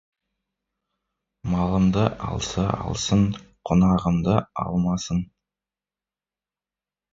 Малымды алса алсын, қонағымды алмасын.